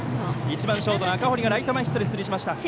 １番ショート、赤堀がライト前ヒットで出塁しました。